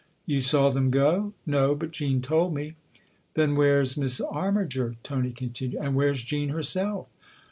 " You saw them go ?"" No, but Jean told me." " Then where's Miss Armiger ?" Tony continued. " And where's Jean herself?